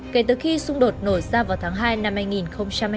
kể từ khi xung đột nổ ra vào tháng hai năm hai nghìn hai mươi hai